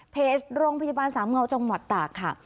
โรงพยาบาลสามเงาจังหวัดตากค่ะ